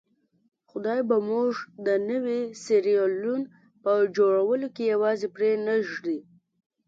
خدای به موږ د نوي سیریلیون په جوړولو کې یوازې پرې نه ږدي.